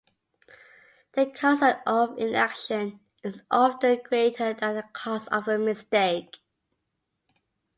The cost of inaction is often greater than the cost of a mistake.